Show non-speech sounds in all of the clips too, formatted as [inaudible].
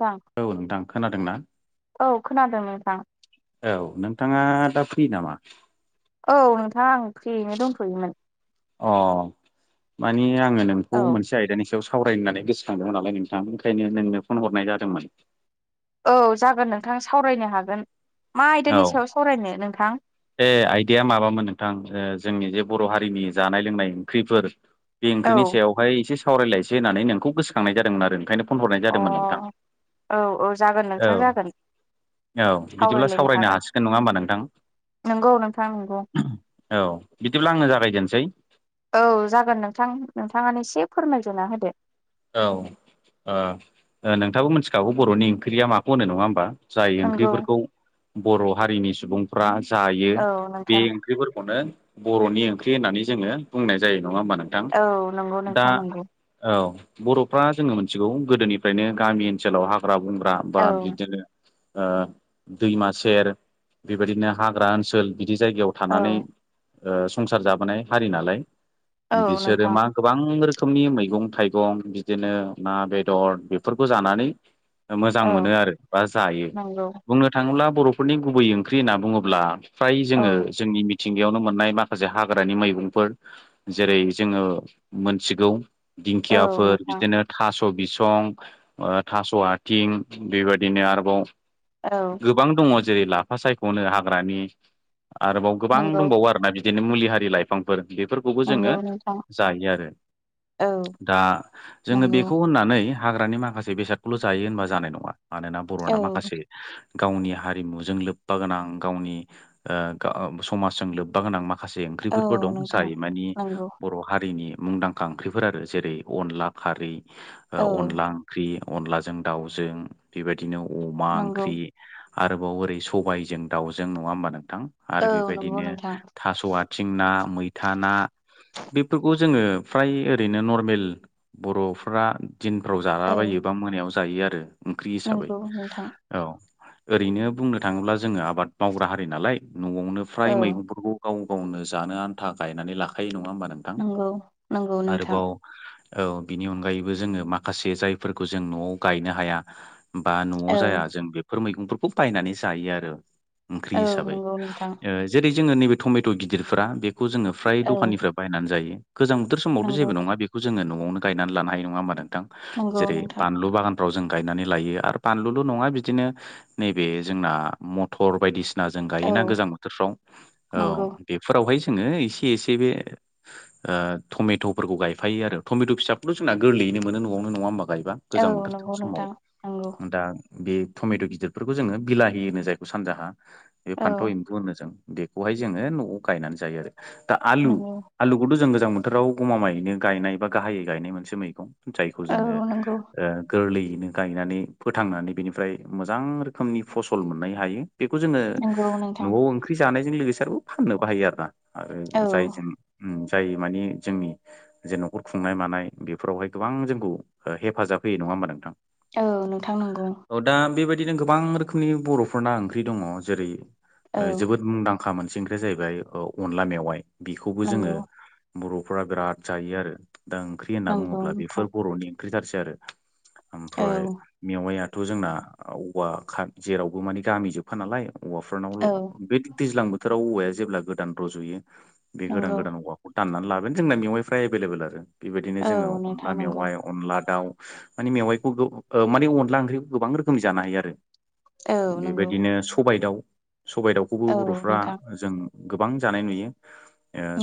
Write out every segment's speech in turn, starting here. नोंथां औ नोंथां खोनादोंना? औ खोनादों नोंथां औ नोंथाङा दा फ्रि नामा? औ नोंथाङा आं फ्रियैनो दंथ'योमोन। अ मानिे आङो नोंखौ औ मोनसे आयदानि सायाव स सावराय होननानै गोसोखांदोंमोन नालाय नोंथाङा ओंखायनो नोंनो फन हरनाय जादोंमोन। औ जागोन नोंथां सावरायनो हागोन मा औ आयदानि सायाव सावरायनो नोंथां। बे आइदाया माबामोन नोंथां जोंनि जे बर' हारिनि जानाय लोंनाय ओंख्रिफोर बे औ ओंख्रिनि सायावहाय एसे सावरायलायसै होननानै नोंखौ गोसोखांनाय जादोंमोन आरो ओंखायनो। फन हरनाय अ जादोंमोन नोंथां औ औ जागोन औ नोंथां जागोन औ बिदिब्ला सावरायलायनो फरायनो हागोन हासिगोन नङा होमबा नोंथां। नंगौ नोंथां नंगौ औ बिदिब्ला आंनो जागायदेनसै। औ जागोन नोंथां नोंथाङानो एसे फोरमायज'ना होदो। औ नोंथाबो मिथिखागौ बर'नि ओंख्रिया माखौ होनो नङा होमबा? जाय नंगौ ओंख्रिफोरखौ बर' हारिनि सुबुं फ्रा जायो औ बे नोंथां ओंख्रिफोरखौनो बर'नि ओंख्रि होननानै जोङो बुंनाय जायो नङा होमबा नोंथां औ नंगौ दा नोंथां नंगौ औ बर'फ्रा जोङो मोनथिगौ गोदोनिफ्रायनो गामि ओनसोलाव हाग्रा बंग्रा बा औ बिदिनो दैमा सेर बेबायदिनो हाग्रा ओनसोल बिदि जायगायाव औ थानानै संसार जाबोनाय हारि नालाय औ बिसोरो नोंथां मा गोबां रोखोमनि मैगं थाइगं बिदिनो ना बेदर बेफोरखौ जानानै मोजां औ मोनो आरो बा जायो नंगौ बुंनो थाङोब्ला बर'फोरनि गुबै ओंख्रि होनना बुङोब्ला फ्राय औ जोङो जोंनि थिंगायावनो मोननाय माखासे हाग्रानि मैगंफोर जेरै जोङो मोनथिगौ औ दिंखिया नोंथां बिनो थ' बिसं थास' आथिं बेबायदिनो आरोबाव औ गोबां दङ जेरै लाफा सायख'नो हाग्रानि आरोबाव गोबां नंगौ दंबावो आरोना बिदिनो मुलि हारि लाइफांफोर बेफोरखौबो नंगौ जोङो नोंथां जायो आरो औ दा जोङो नंगौ बेखौ होननानै हाग्रानि माखासे बेसादखौल' जायो होनबा जानाय नङा मानोना बर'ना औ माखासे गावनि हारिमुजों लोब्बा गोनां गावनि समाजजों लोब्बा गोनां माखासे औ ओंख्रिफोरबो दं नोंथां जाय मानि नंगौ बर' हारिनि मुंदांखा ओंख्रिफोर आरो जेरै अनला खारै औ अनला ओंख्रि अनलाजों दाउजों बेबायदिनो अमा नंगौ ओंख्रि आरोबाव ओरै सबायजों दाउजों नङा होमबा नोंथां? औ आरो नंगौ बेबायदिनो नोंथां थास' आथिं ना मैथा ना बेफोरखौ जोङो फ्राय ओरैनो नरमेल बर'फ्रा दिनफ्राव औ जालाबायो बा मोनायाव जायो आरो। ओंख्रि हिसाबै नंगौ नोंथां औ ओरैनो बुंनो थाङोब्ला जोङो आबाद मावग्रा हारि नालाय न'आवनो औ फ्राय मैगंफोरखौ गाव गावनो जानो आन्था गायनानै लाखायो नङा होमबा नोंथां नंगौ नंगौ नोंथां आरोबाव औ बिनि अनगायैबो जोङो माखासे जायफोरखौ जों न'आव गायनो हाया बा औ न'आव जाया जों बेफोर मैगंफोरखौ बायनानै जायो आरो ओंख्रि औ हिसाबै नंगौ नोंथां जेरै जोङो नैबे टमेट' गिदिरफ्रा बेखौ जोङो फ्राय औ दखाननिफ बायनानै जायो गोजां बोथोर समावथ' नंगौ जेबो नङा बेखौ जोङो न'आवनो गायनानै लानो हायो नङा होमबा नोंथां नंगौ जेरै नोंथां बानलु बागान फोराव जों गायनानै लायो आरो बानलुल' नङा बिदिनो नैबे जोंना मथर बायदिसिना। ना जों औ गायोना गोजां नंगौ बोथोरफ्राव बेफोरावहाय जोङो एसे एसे बे टमेट'फोरखौ गायफायो आरो। टमेट' फिसाखौथ' जोंना गोरलैयैनो मोनो न'आवनो नङा होमबा गायबा औ गोजां बोथोर नंगौ समाव नोंथां नंगौ दा बे टमेट' गिदिरफोरखौ जोङो बिलाहि होनो जायखौ सानजाहा बे औ फान्थाव। होनो जों बेखौहाय जोङो न'आव गायनानै जायो आरो दा आलु नंगौ आलुखौथ' जों गोजां बोथोराव गमामायैनो गायनाय बा गाहायै गायनाय मोनसे मैगं जायखौ औ जोङो। नंगौ गोरलैयैनो गायनानै फोथांनानै बेनिफ्राय मोजां रोखोमनि फसल मोननो हायो। बेखौ जोङो नंगौ नोंथां न'आव ओंख्रि जानायजों लोगोसे आरो फाननोबो बाहायो आरो औ ना जायजों‌ जाय मानि जोंनि जेनबा' नखर खुंनाय मानाय बेफोरावहाय गोबां जोंखौ हेफाजाब होयो नङा होमबा नोंथां। औ नोंथां नंगौ। औ दा बेबायदिनो गोबां रोखोमनि बर'फोरना ओंख्रि दङ जेरै औ जोबोद मुंदांखा। अखा मोनसे ओंख्रिया जाहैबाय अनला मेवाइ बेखौबो जोङो। नंगौ बर'फोरा बिराद जायो आरो दा ओंख्रि होनना नंगौ बुङोब्ला नोंथां बेफोर बर'नि ओंख्रिथारसै आरो औ ओमफ्राय मेवाय याथ' जोंना औवा जेरावबो मानि गामि जोबखा नालाय औवाफोरनाव औ बे दैज्लां बोथोराव औवाया जेब्ला गोदान रज'यो बे गोदान नंगौ गोदान औवाखौ। दाननानै लागोन जोंना मेवाइफ्रा एभेलेबोेल आरो बेबायदिनो औ जोङो अनला नोंथां नंगौ मेवायाव। अनला दाउ मानि मेवाइखौ माने अनला ओंख्रिखौ गोबां रोखोमनि जानो हायो आरो। औ नंगौ बेबायदिनो सबायाइ दाउ सबायाइ दाउखौबो औ बर'फ्रा नोंथां जों। गोबां जानाय नुयो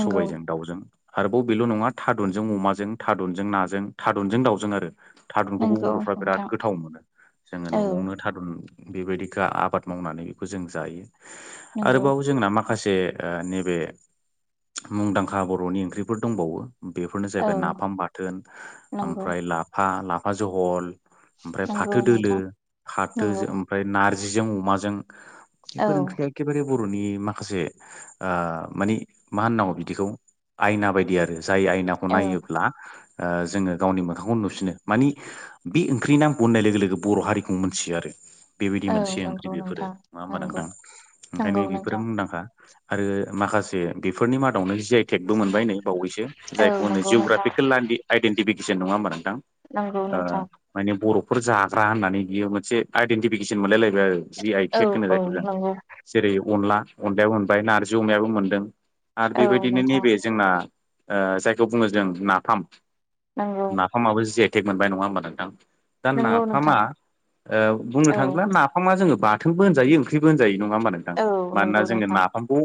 नंगौ सबायाइजों दाउजों आरोबाव बेल' नङा थारुनजों जों अमाजों थाररुनजों नाजों, थारुनजों दावजों, आरो थारुनखौबो नंगौ बर'फ्रा बिराद नोंथां गोथाव मोनो। जोङो औ न'आवनो थारुन बेबायदि आबाद मावनानै बेखौ जों जायो। नंगौ आरोबाव जोंना माखासे नैबे मुंदांखा बर'नि ओंख्रिफोर दंबावो बेफोरनो औ जाहैबाय नाफाम बाथोन नंगौ ओमफ्राय लाफा लाफा जहल ओमफ्राय नंगौ फाथो दोलो नोंथां फाथो नंगौ ओमफ्राय नारजिजों अमाजों औ बेफोर ओंख्रिया एखेबारे बर'नि माखासे मानि मा होनांगौ बिदिखौ आयना बायदि आरो जाय आइ औ नायोब्ला ओ जों गावनि मोखांखौ नुसिनो मानि बुंनाय लोगो लोगो बर' हारिखौ मोनथियो आरो बेबायदि औ मोनसे ओंख्रि नंगौ बेफोरो नोंथां नङा होमबा नंगौ नांथां ओंखायनो नंगौ बेफोरो नोंथां मुंदांखा। आरो माखासे बेफोरनि मादावनो जियाय टेकबो मोनबाय नै बावैसो औ जाय नंगौ नोंथां आइडेन्टिफिकेसन नङा होमबा नोंथां? नंगौ ओ नोंथां माने बर'फोर जाग्रा होननानै बियो मोनसे आइदेन्टिफिकेसन मोनलायलायबाय आरो। जि आइ औ केख होनो‌ औ जायखौ जों नंगौ जेरै अनला अनलाबो मोनबाय नारजि अमायाबो मोनदों आरो औ बेबायदिनो नोंथां नैबे जोंना जायखौ बुङो जों नाफाम नांगौ। नाामाबो जि एटेक मोनबाय नङा होमबा नोंथां दा नंगौ नाफामा नोंथां बुंनो औ थाङोब्ला ना नाफाङा जोङो बाथोनबो होनजायो ओंख्रिबो होनजायो नङामा नोंथां औ मानोना नंगौ जोङो नोंथां नाफामखौ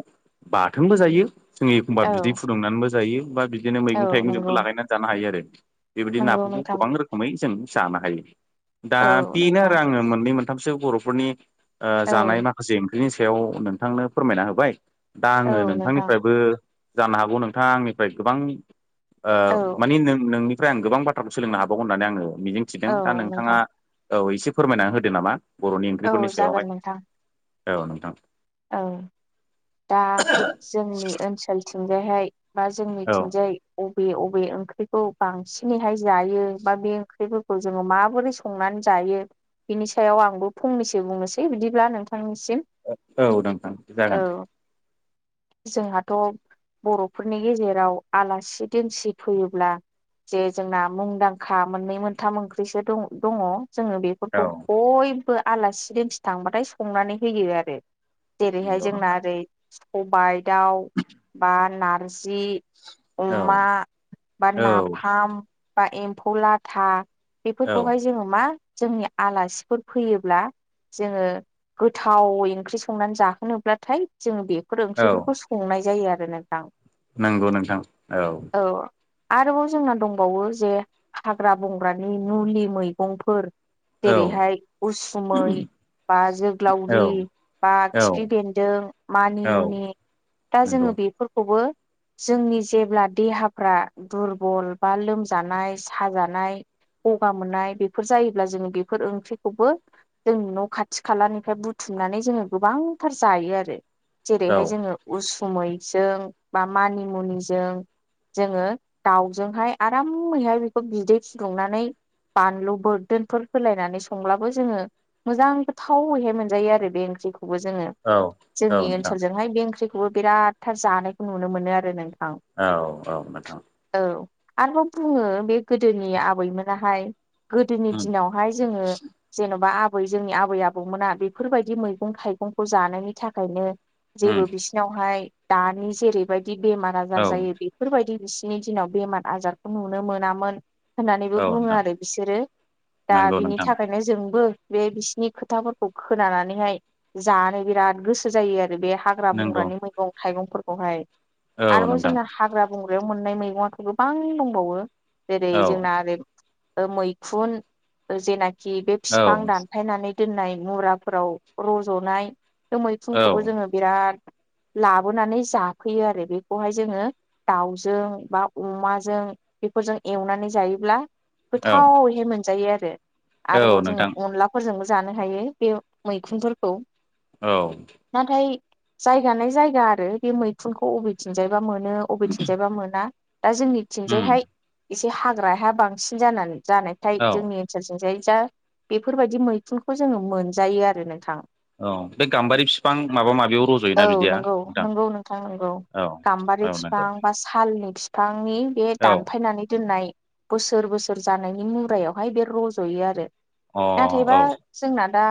बाथोनबो जायो जोंङो एखमबा औ बिदै फुदुंनानैबो जायो बा बिदिनो मैगं औ थाइगंजोंबो नंगौ लागायनानै जानो हायो आरो बेबायदि नंगौ नाफोरखौ नोंथां गोबां रोखोमै जों जानो हायो। दा औ बेनो आरो नोंथां आङो मोननै मोनथामसो बर'फोरनि औ जानाय माखा। जि ओंख्रिनि सायाव नोंथांनो फोरमायना होबाय दा औ आङो नोंथां नोंथांनिफ्रायबो जानो हागौ नोंथाङा आंनिफ्राय गोबां औ माने नों नोंनिफ्राय आं गोबां बाथ्राखौ सोलोंनो हाबावगोन होननानै आङो मिजिंथिदों औ दा नोंथाङा नोंथां औ एसे फोरमायनानै होदो नामा बर'नि औ ओंख्रिफोरनि जागोन सायावहाय औ नोंथां। ओं दा जोंनि ओनसोलथिंजायहाय मा जों मिथिंजाय बबे बबे ओंख्रिखौ बांसिनैहाय जायो बा बे ओंख्रिफोरखौ जोङो माबोरै संनानै जायो बिनि सायाव आंबो फंनैसो बुंनोसै बिदिब्ला नोंथांनिसिम औ नांथां। औ। [inaudible] जोंहाथ' बर'फोरनि गेजेराव आलासि दोनसि फैयोब्ला जे जोंना मुंदांखा मोननै मोनथाम ओंख्रिसो दङ जोङो बे औ फोरखौ बयबो आलासि दोंसि थांबाथाय संनानै होयो आरो। जेरैहाय नंगौ जोंना नोंथां ओरै सबायाइ दाउ बा नारजि औ अमा बा औ नाफाम बा एम्फुलाथा बेफोरखौहाय औ जोङो मा जोंनि आलासिफोर फैयोब्ला जोङो गोथाव ओंख्रि संनानै जाहोनोबब्लाथाय जों बेफोर औ ओंख्रिफोरखौ संनाय जायो आरो ना नोंथा। नंगौ नोंथां औ। औ आरोबाव जोंना दंबावो जे हाग्रा बंग्रानि नुलि मैगंफोर औ जेरैहाय उसुमै बा औ जोग्लावरि बा औ खिफि बेन्दों मानि औ मुनि दा नंगौ जोङो बेफोरखौबो जोंनि जेब्ला देहाफ्रा दुरबल बा लोमजानाय साजानाय गगा मोननाय बेफोर जायोब्ला जोङो बेफोर ओंख्रिखौबो जों न' खाथि खालानिफ्राय बुथुमनानै जोङो गोबांथार जायो आरो औ जेरैहाय जोङो उसुमैजों बा मानि मुनिजों जोङो दाउजोंहाय आरामैहाय बेखौ बिदै फुदुंनानै बानलु बोरदोनफोर होलायनानै संब्लाबो जोङो मोजां गोथावैहाय मोनजायो आरो बे ओंख्रिखौबो जोङो औ औ जोंनि नोंथां ओनसोलजों नोंहाय बे ओख्रिखौबो बिरादथार जानायखौ नुनो मोनो आरो नोंथां। औ औ नोंथां औ आरोबाव बुङो बे गोदोनि आबैमोनाहाय गोदोनि उम दिनावहाय जोङो जेन'बा आबै जोंनि आबै आबौमोना बेफोरबायदि मैगं थाइगंखौ जानायनि थाखायनो उम जेबो बिसिनावहाय दानि जेरैबायदि बेमार आजार औ जायो। बे बेफोरबायदि बिसिोरनि दिनाव बेमार आजारखौ नुनो मोनामोन। होननानैबो औ बुङो नोंथां आरो बिसोरो दा नंगौ बिनि नोंथां थाखाय मे जोंबो बे बिसिनि खोथाफोरखौ खोनानानैहाय जानो बिराद गोसो जायो आरो बे हाग्रा नंगौ बंग्रानि मैगं थाइगंफोरखौहाय। औ आरोबाव नोंथां जोंना हाग्रा बंग्रायाव मोननाय मैगंखौ गोबां दंबावो जेरै औ जोंना ओरै ओ मैखुन जेनाखि बे औ फिफां दानफायनानै दोननाय मुराफोराव रज'नाय औ मैखुनखौबो जोङो बिराद लाबोनानै जाफैयो आरो बेखौहाय जोङो दाउजों बा अमाजों बेफोरजों एवनानै जायोब्ला गोथावहाय मोनजायो आरो औ आरोबाव जोङो नोंथां अनला फोरजोंबो जानो हायो बे मैखुनफोरखौ औ नाथाय जायगानाय जायगा आरो बे मैखुनखौ अबेथिंजायबा मोन नो बबेथिंजायबा मोना दा जोंनि उम थिंजायहाय एसे हाग्राया बांसिन जानानै जानायथाय औ जोंनि साथिंजाय जा बेफोरबायदि मैखुनखौ जोङो मोनजायो आरो नोंथां। औ बे गाम्बारि बिफां माबा माबियाव औ रज'योना बिदिया नंगौ नोंथां? नंगौ नोंथां नंगौ। औ गाम्बारि औ नंगौ बिफां बा सालनि बििफांनि बे औ अ दानफायनानै दोननाय बोसोर बोसोर जानायनि मुरायावहाय बे रज'यो आरो। औ नाथायबा जोंना दा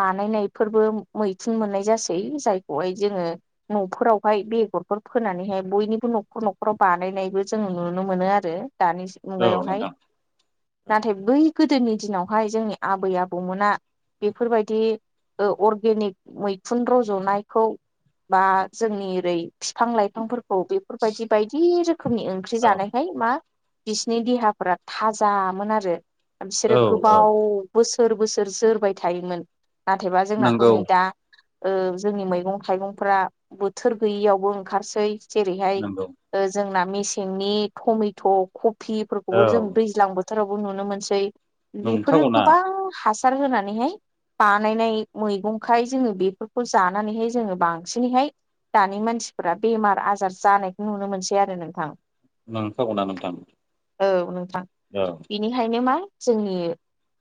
बानायनायफोरबो मैथुन मोननाय जासै जायखौहाय जोङो न'फोरावहाय बेगरफोर फोनानैहाय बयनिबो न'खर न'खराव बानायनायबो जों नुनो मोनो आरो। दानि औ मुगायावहाय नोंथां नाथाय बै गोदोनि दिनावहाय जोंनि आबै आबौमोना बेफोरबायदि औ अर्गेनिक मैखुन रज'नायखौ बा जोंनि ओरै बिफां लाइफांफोरखौ औ बेफोरबायदि बायदि रोखोमनि ओंख्रि औ जानायहाय मा बिसनि देहाफोरा थाजामोन आरो औ बिसोरो औ गोबाव बोसोर बोसोर जोरबाय थायोमोन नाथायबा जोंनाथ' नंगौ नै दा ओ जोंनि मैगं थाइगंफ बोथोर गैयियावबो ओंखारसै जेरैहाय नंगौ ओ जोंना मेसेंनि टमेट' औ कबििफोरखौबो जों दैज्लां बो फोथारावबो नुनो मोनसै बेफोरो नंखागौना गोबां हासार होनानैहाय बानायनाय मैगंखाय जोङो बेफोरखौ जानानैहाय जोङो बांसिनैहाय दानि मानसिफोरा बेमार आजार जानायखौ नुनो मोनसै आरो नोंथां। नोंखागौना नोंथां औ बेनिखायनो मा जोंनि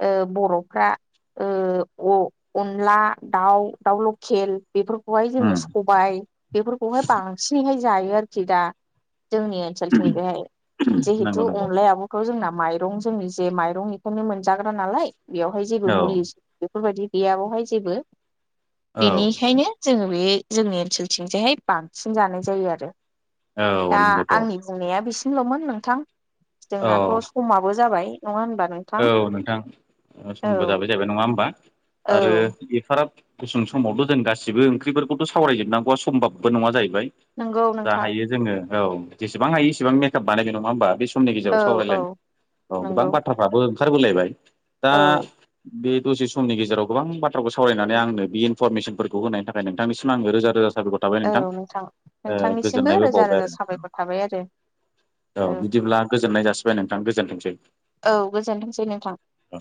ओ बर'फ्रा ओ अ-अनला दाउ दाउ लकेल बेफोरखौहाय जोङो उम सबाय बेफोरखौहाय बांसिनैहाय जायो आरोखि दा जोंनि ओनथिं बेहाय नंगौ जिहेथु नंगौ अनलाया आब' खौ जोंना माइरं जोंनि जे माइरं बेखौनो मोनजाग्रा नालाय बेवहाय जेबो औ मुलि। बेफोरबायदि गैयाबावहाय जेबो औ बेनिखायनो जोङो बे जोंनि ओनसोलथिंजायहाय बांसिन जानाय जायो आरो औ दा नंगौथ' आंनि। बुंनाया बिसिमल'मोन नोंथां औ जोंनाथ' समाबो जाबाय नङा होनबा नों औ नोंथां समबो जाबाय जाबाय नङा होमबा औ आरो एफाराब। गुसुं समावथ' जों गासिबो ओंख्रिफोरखौथ' सावरायजोबनांगौआ सम्भाबबो नङा जाहैबाय। नंगौ जा नोंथां हायो जोङो औ जेसेबां हायो इसेबां मेकआप बानायगोन नङा होमबा बे समनि गेजेराव औ औ सावरायलायनाय औ गोबां नंगौ बाथ्राफ्राबो ओंखारबोलायबाय दा। औ बे दसे समनि गेजेराव गोबां बाथ्राखौ सावरायनानै आंनो बे इनफरमेसनफोरखौ होनायनि थाखाय नोंथांनिसिम आं रोजा रोजा साब थाबाय औ नोंथां ओ नोंथांनिसिमबो गोजोननायबो रोजा बावबाय रोजा आरो नोंथां। साबायखर थाबाय आरो औ बिदिब्ला गोजोननाय जासिबाय नोंथां गोजोनथोंसै। औ गोजोनथोंसै नोंथां। औ।